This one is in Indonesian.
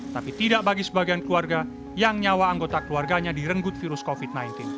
tapi tidak bagi sebagian keluarga yang nyawa anggota keluarganya direnggut virus covid sembilan belas